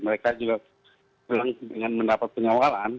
mereka juga pulang dengan mendapat pengawalan